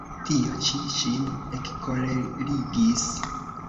Tio ĉi ŝin ekkolerigis.